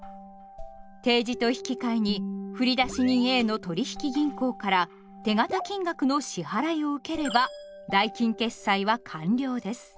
呈示と引き換えに振出人Ａの取引銀行から手形金額の支払いを受ければ代金決済は完了です。